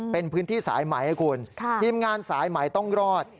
เป็นพื้นที่สายไหมคุณทีมงานสายไหมต้องรอด